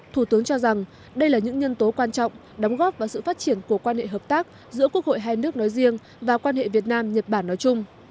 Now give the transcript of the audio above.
thủ tướng cho rằng đây là những nhân tố quan trọng đóng góp vào sự phát triển của quan hệ hợp tác giữa quốc hội hai nước nói riêng và quan hệ việt nam nhật bản nói chung